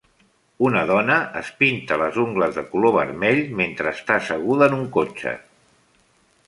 Una dona es pinta les ungles de color vermell mentre està asseguda en un cotxe.